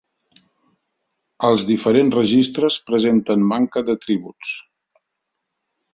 Els diferents registres presenten manca d'atributs.